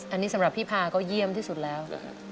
อันนี้สำหรับพี่พาก็เยี่ยมที่สุดแล้ว